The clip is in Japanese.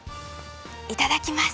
いただきます！